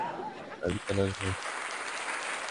আমি কাল আসব।